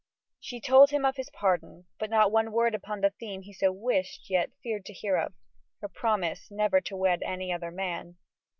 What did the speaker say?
She told him of his pardon, but not one word upon the theme he so wished yet feared to hear of her promise never to wed any other man.